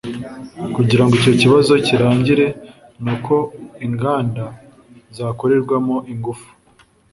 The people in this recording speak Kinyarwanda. Kugira ngo icyo kibazo kirangire ni uko inganda zakongerwamo ingufu